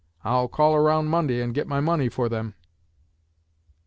I'll call around Monday and get my money for them.'"